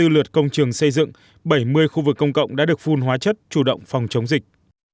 hai mươi lượt công trường xây dựng bảy mươi khu vực công cộng đã được phun hóa chất chủ động phòng chống dịch